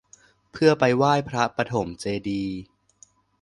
เพื่อไปไหว้พระปฐมเจดีย์